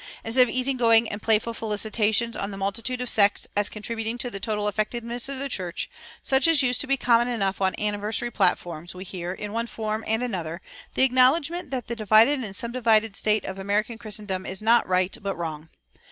Instead of easy going and playful felicitations on the multitude of sects as contributing to the total effectiveness of the church, such as used to be common enough on "anniversary" platforms, we hear, in one form and another, the acknowledgment that the divided and subdivided state of American Christendom is not right, but wrong.